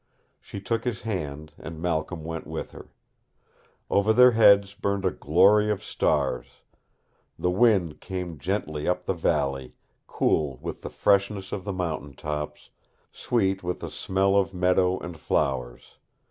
She took his hand, and Malcolm went with her. Over their heads burned a glory of stars. The wind came gently up the valley, cool with the freshness of the mountain tops, sweet with the smell of meadow and flowers.